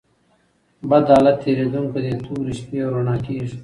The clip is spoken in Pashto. بد حالت تېرېدونکى دئ؛ توري شپې رؤڼا کېږي.